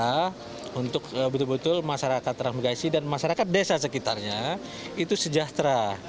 kita untuk betul betul masyarakat transmigrasi dan masyarakat desa sekitarnya itu sejahtera